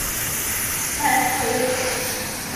হ্যাঁ, চলে যাও।